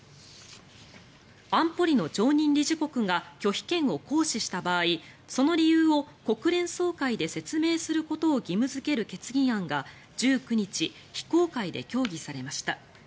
安保理の常任理事国が拒否権を行使した場合その理由を国連総会で説明することを義務付ける決議案が１９日非公開で協議されました。